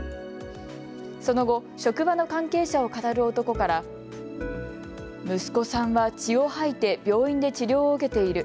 その後、職場の関係者をかたる男から、息子さんは血を吐いて病院で治療を受けている。